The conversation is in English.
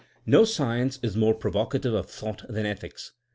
No science is more provocative of thought than ethics.